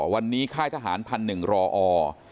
วันนี้ค่ายทหารพันหนึ่งรออ